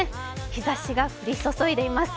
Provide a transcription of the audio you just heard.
日ざしが降り注いでいます。